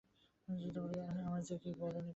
আমায় যে বলো নি কিছু?